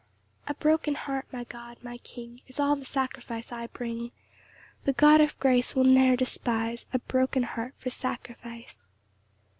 5 A broken heart, my God, my King, Is all the sacrifice I bring; The God of grace will ne'er despise A broken heart for sacrifice.